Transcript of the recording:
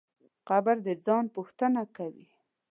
قبر د ځان پوښتنه کوي.